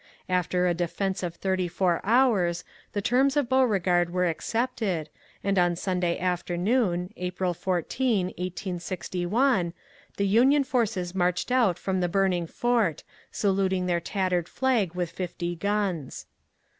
After a defence of thirty four hours the terms of Beauregard were accepted, and on Sunday afternoon, April 14, 1861, the Union forces marched out from the burning fort, saluting their tattered flag with fifty guns.